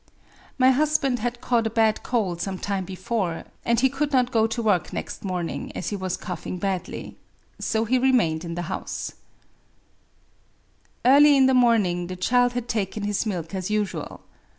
— My husband had caught a bad cold some time before ; and he could not go to work next morning, as he was coughing badly. So he remained in the house. Digitized by Googk I20 A WOMAN'S DIARY Early in the morning the child had taken his milk as usual.